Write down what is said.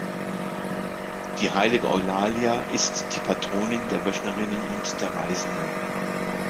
Die heilige Eulalia ist die Patronin der Wöchnerinnen und der Reisenden.